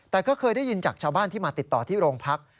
แต่ก็เคยได้ยินจากชาวบ้านที่มาติดต่อที่โรงพัก